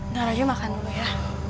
nah rayu makan dulu ya